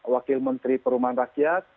wakil menteri perumahan rakyat